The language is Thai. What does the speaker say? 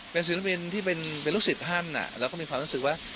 เป็นศิลปินที่เป็นลูกศิษย์ท่านแล้วก็มีความรู้สึกว่า